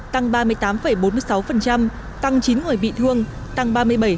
tăng ba mươi tám bốn mươi sáu tăng chín người bị thương tăng ba mươi bảy